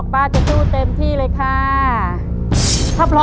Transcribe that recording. เพื่อชิงทุนต่อชีวิตสุด๑ล้านบาท